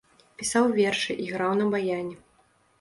Пісаў вершы, іграў на баяне.